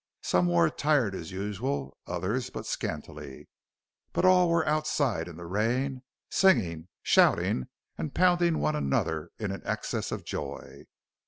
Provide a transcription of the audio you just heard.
Some were attired as usual, others but scantily, but all were outside in the rain, singing, shouting, and pounding one another in an excess of joy.